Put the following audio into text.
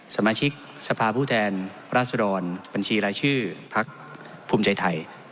สมาชิกสภาพผู้แทนราษฎรบัญชีรายชื่อพักภูมิใจไทย